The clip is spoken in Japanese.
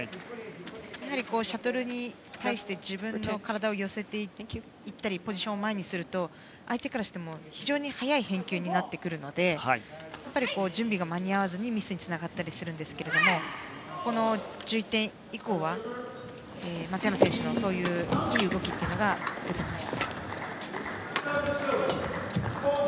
やはり、シャトルに対して自分の体を寄せていったりポジションを前にすると相手からしても非常に早い返球になってくるので準備が間に合わずにミスにつながったりするんですが１１点以降は、松山選手のそういういい動きが出ています。